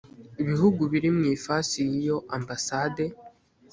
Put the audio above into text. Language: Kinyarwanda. bihugu biri mu ifasi y’iyo ambasade